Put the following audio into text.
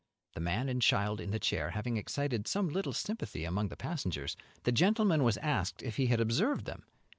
The man and child in the chair having excited some little sympathy among the passengers, the gentleman was asked if he had observed them.